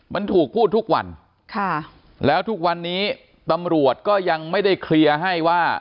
มันถูกพูดทุกวันค่ะแล้วทุกวันนี้ตำรวจก็ยังไม่ได้เคลียร์ให้ว่า